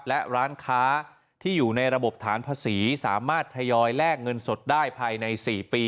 และร้านค้าที่อยู่ในระบบฐานภาษีสามารถทยอยแลกเงินสดได้ภายใน๔ปี